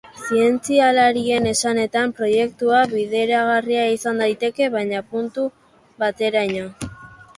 Zientzialarien esanetan, proiektua bideragarria izan daiteke, baina puntu bateraino.